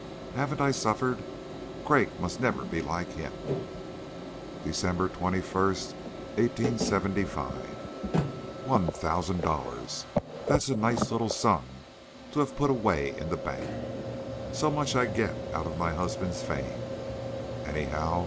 Haven't I suffered? Craik must never be like him." "DECEMBER 21, 1875. One thousand dollars. That's a nice little sum to have put away in the bank. So much I get out of my husband's fame, anyhow.